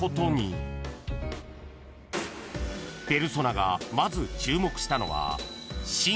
［ペルソナがまず注目したのは］